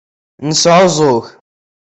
Nesɛuẓẓug.